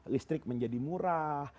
listrik menjadi murah